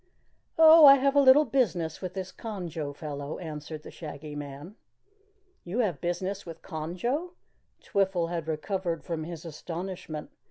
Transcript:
"Oh, I have a little business with this Conjo fellow," answered the Shaggy Man. "You have business with Conjo?" Twiffle had recovered from his astonishment.